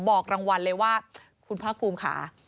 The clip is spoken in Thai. บอกรางวัลเลยว่าคุณภาคภูมิค่ะ